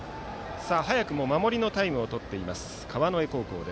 早くも守りのタイムをとっている川之江高校。